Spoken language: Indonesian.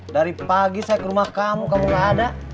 dari pagi saya ke rumah kamu kamu gak ada